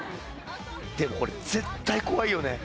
でもこれ絶対怖いよね